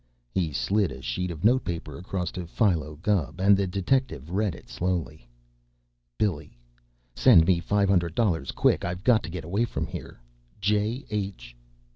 He slid a sheet of note paper across to Philo Gubb, and the detective read it slowly: Billy: Send me five hundred dollars quick. I've got to get away from here. J. H.